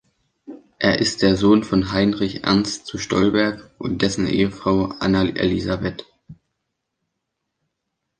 Er ist der Sohn von Heinrich Ernst zu Stolberg und dessen Ehefrau Anna Elisabeth.